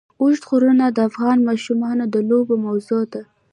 اوږده غرونه د افغان ماشومانو د لوبو موضوع ده.